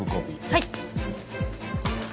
はい。